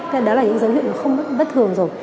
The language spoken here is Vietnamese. thế đó là những dấu hiệu không bất thường rồi